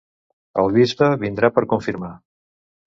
El bisbe vindrà per confirmar.